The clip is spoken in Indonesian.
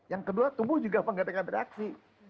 yang kedua tubuh juga penggantikan reaksi